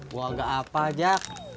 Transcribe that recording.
gue agak apa jack